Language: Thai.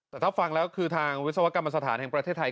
แต่ถ้าฟังแล้วคือทางวิศวกรรมสถานแห่งประเทศไทย